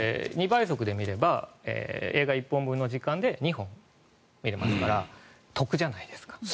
２倍速で見れば映画１本分の時間で２本見れますから得じゃないですか。